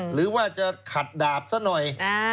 หรือว่าจะขัดดาบซะหน่อย